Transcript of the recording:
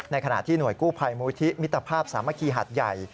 ขณะที่หน่วยกู้ภัยมูลที่มิตรภาพสามัคคีหัดใหญ่